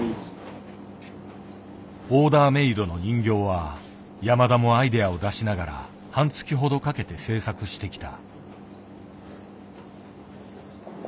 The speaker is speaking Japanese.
オーダーメードの人形は山田もアイデアを出しながら半月ほどかけて制作してきた。